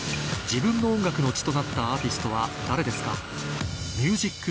自分の音楽の血となったアーティストは誰ですか？